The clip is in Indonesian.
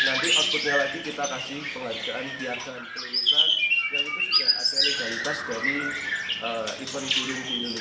dan itu sudah ada legalitas dari ipen burung bunga nusantara